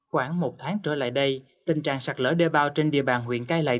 khoảng một tháng trở lại đây tình trạng sạt lỡ đeo bao trên địa bàn huyện cai lạy